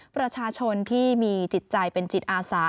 ประชาชนที่มีจิตใจเป็นจิตอาสา